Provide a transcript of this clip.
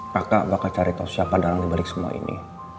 kakak bakal cari tau siapa dalam di balik semua ini